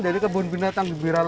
jadi kebun binatang gempira loka